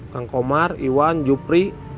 kang komar iwan jupri